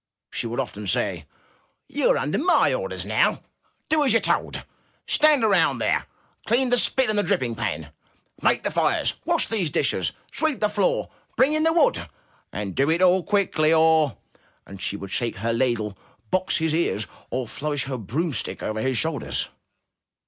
She would often say: *'You are under miy orders now! Do as I tell you! Stand around there! Clean the spit and the dripping pan! Make the fires! Wash these dishes! Sweep the floor ! Bring in the wood ! And do it all quickly or " And she would shake her ladle, box his ears, or flourish her broomstick over his shoulders.